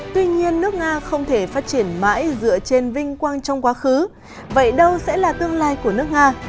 tuy nhiên nước nga không thể phát triển mãi dựa trên vinh quang trong quá khứ vậy đâu sẽ là tương lai của nước nga